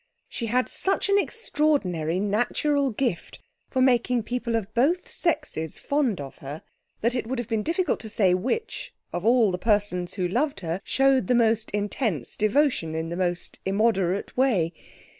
She had such an extraordinary natural gift for making people of both sexes fond of her, that it would have been difficult to say which, of all the persons who loved her, showed the most intense devotion in the most immoderate way.